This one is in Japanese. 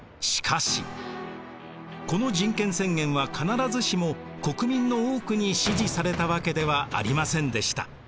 しかしこの人権宣言は必ずしも国民の多くに支持されたわけではありませんでした。